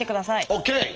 ＯＫ！